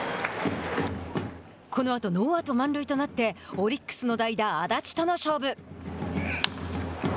このあとノーアウト満塁となってオリックスの代打・安達との勝負。